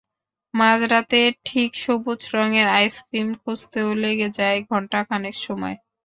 মাঝরাতে ঠিক সবুজ রঙের আইসক্রিম খুঁজতেও লেগে যায় ঘণ্টা খানেক সময়।